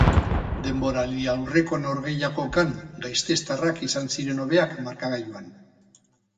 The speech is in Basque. Denboraldiaurreko norgehiagokan gasteiztarrak izan ziren hobeak markagailuan.